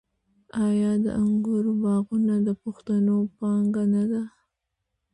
آیا د انګورو باغونه د پښتنو پانګه نه ده؟